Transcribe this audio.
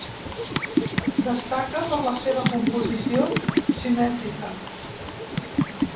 Destaca per la seva composició simètrica.